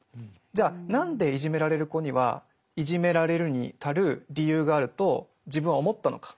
じゃあ何でいじめられる子にはいじめられるに足る理由があると自分は思ったのか。